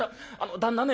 旦那ね